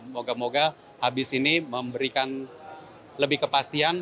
moga moga habis ini memberikan lebih kepastian